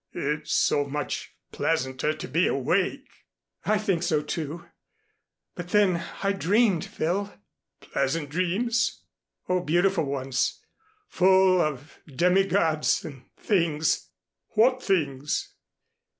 "It's so much pleasanter to be awake." "I think so, too, but then I dreamed, Phil." "Pleasant dreams?" "Oh, beautiful ones, full of demigods and things." "What things?"